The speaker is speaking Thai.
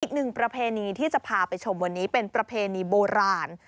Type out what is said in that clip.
อีกหนึ่งประเพณีที่จะพาไปชมวันนี้เป็นประเพณีโบราณ